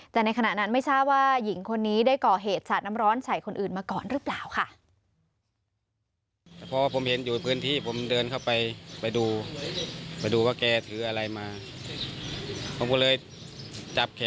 แต่ในขณะนั้นไม่ทราบว่าหญิงคนนี้ได้ก่อเหตุสาดน้ำร้อนใส่คนอื่นมาก่อนหรือเปล่าค่ะ